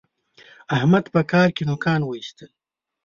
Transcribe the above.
احمد په کار کې نوکان واېستل.